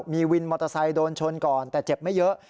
มีวินมอเตอร์ไซค์โดนชนก่อนแต่เจ็บไม่เยอะ